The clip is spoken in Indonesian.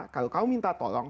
kalau kamu minta tolong